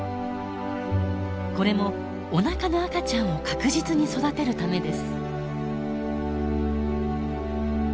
これもおなかの赤ちゃんを確実に育てるためです。